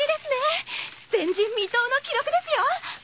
前人未到の記録ですよ！